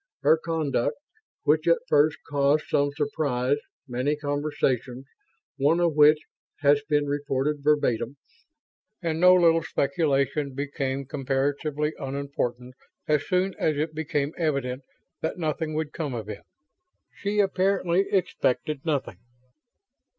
Her conduct, which at first caused some surprise, many conversations one of which has been reported verbatim and no little speculation, became comparatively unimportant as soon as it became evident that nothing would come of it. She apparently expected nothing.